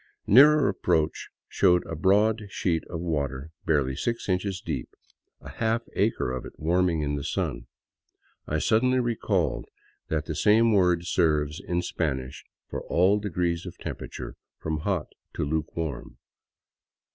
Nearer approach showed a broad sheet of water barely six inches deep, a half acre of it warming in the sun. I suddenly recalled that the same word serves in Spanish for all degrees of temperature from hot to luke warm.